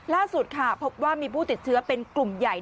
ล่าสุดค่ะพบว่ามีผู้ติดเชื้อเป็นกลุ่มใหญ่